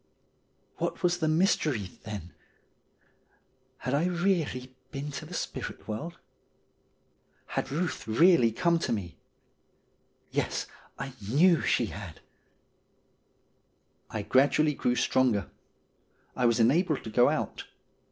What was the mystery, then? Had I really been to the spirit world ? Had Buth really come to me ? Yes, I knew she had. I gradually grew stronger. I was enabled to go out.